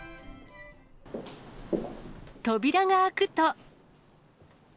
扉が開くと。